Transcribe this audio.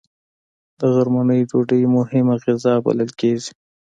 د غرمنۍ ډوډۍ مهمه غذا بلل کېږي